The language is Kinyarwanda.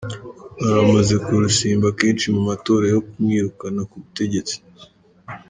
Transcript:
Aramaze kurusimba kenshi mu matora yo kumwirukana ku butegetsi.